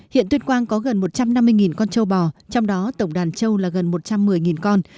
hiện tuyên quang có gần một trăm năm mươi con châu bò trong đó tổng đàn châu là gần một trăm một mươi con